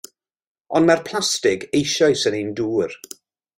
Ond mae'r plastig eisoes yn ein dŵr.